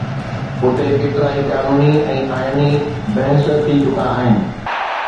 اتي ڪيترائي قانوني ۽ آئيني بحث ٿي چڪا آهن.